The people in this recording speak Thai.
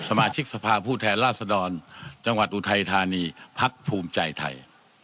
สมาชิกสภาพผู้แทนราชดรจังหวัดอุทัยธานีพักภูมิใจไทย